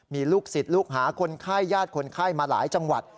มีลูกศิษย์ลูกหาคนไข้ญาติคนไข้มาหลายจังหวัด